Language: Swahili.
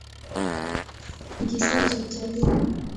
Ni kisiwa cha utalii.